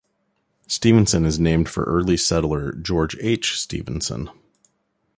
Stevenson is named for early settler George H. Stevenson.